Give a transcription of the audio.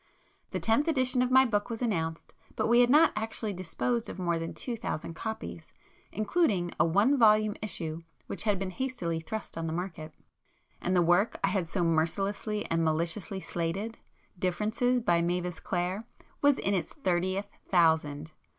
The Tenth Edition of my book was announced, but we had not actually disposed of more than two thousand copies, including a One Volume issue which had been hastily thrust on the market. And the work I had so mercilessly and maliciously slated,—'Differences' by Mavis Clare was in its thirtieth thousand!